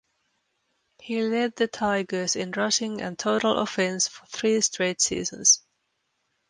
He led the Tigers in rushing and total offense for three straight seasons.